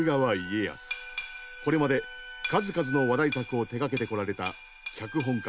これまで数々の話題作を手がけてこられた脚本家